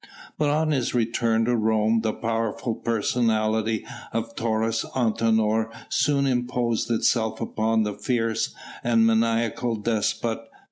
But on his return to Rome the powerful personality of Taurus Antinor soon imposed itself upon the fierce and maniacal despot.